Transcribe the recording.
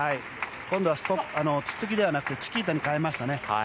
今度はツッツキではなくチキータに変えましたね。